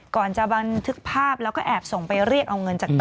ก่อนจะบันทึกภาพแล้วก็แอบส่งไปเรียกเอาเงินจากต่อ